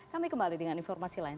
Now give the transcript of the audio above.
kami kembali dengan informasi lain